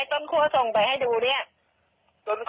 ต้นคั่วส่งไปให้ดูเนี่ย